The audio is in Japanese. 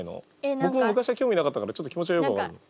僕も昔は興味なかったからちょっと気持ちはよく分かるよ。